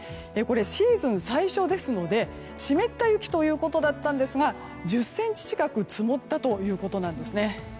シーズン最初ですので湿った雪ということでしたが１０ｃｍ近く積もったということです。